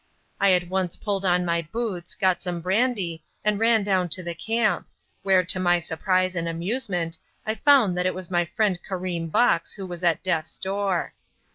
I at once pulled on my boots, got some brandy and ran down to the camp, where to my surprise and amusement I found that it was my friend Karim Bux who was at death's door.